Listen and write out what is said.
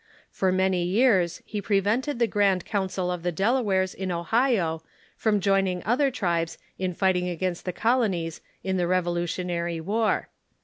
For many years he pre vented the Grand Council of the Delawares in Ohio from join ing other tribes in fighting against the colonies in the Revolu tionary War.